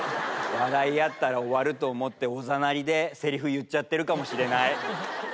笑い合ったら終わると思っておざなりでせりふ言っちゃってるかもしれない。